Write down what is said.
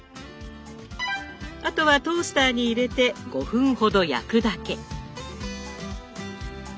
あとはトースターに入れて５分ほど焼くだけ。